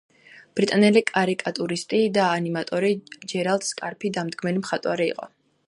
ბრიტანელი კარიკატურისტი და ანიმატორი ჯერალდ სკარფი დამდგმელი მხატვარი იყო.